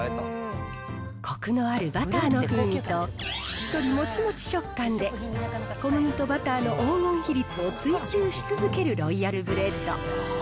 こくのあるバターの風味と、しっとりもちもち食感で、小麦とバターの黄金比率を追求し続けるロイヤルブレッド。